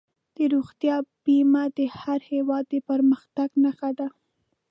د روغتیا بیمه د هر هېواد د پرمختګ نښه ده.